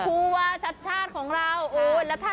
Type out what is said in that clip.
พูดว่าชาติชาติของเรา